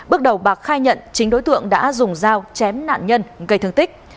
bước đầu bạc khai nhận chính đối tượng đã dùng dao chém nạn nhân gây thương tích